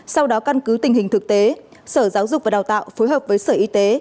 sau đó căn cứ tình hình thực tế sở giáo dục và đào tạo phối hợp với sở y tế